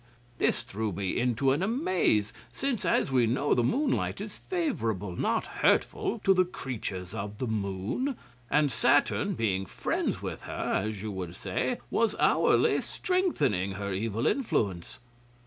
This threw me into an amaze, since, as we know, the moonlight is favourable, not hurtful, to the creatures of the Moon; and Saturn, being friends with her, as you would say, was hourly strengthening her evil influence.